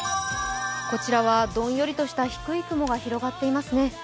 こちらはどんよりとした低い雲が広がっていますね。